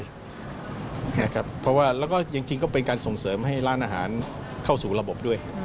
เพราะว่าแล้วก็จริงก็เป็นการส่งเสริมให้ร้านอาหารเข้าสู่ระบบด้วย